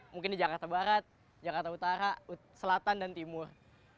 mungkin di jakarta barat jakarta utara selatan dan timur